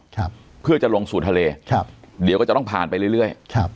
ครับเพื่อจะลงสู่ทะเลครับเดี๋ยวก็จะต้องผ่านไปเรื่อยเรื่อยครับ